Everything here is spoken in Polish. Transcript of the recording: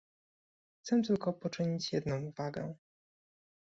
Chcę tylko poczynić jedną uwagę